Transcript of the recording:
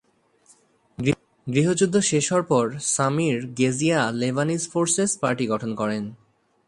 গৃহযুদ্ধ শেষ হওয়ার পর Samir Geagea Lebanese Forces party গঠন করেন।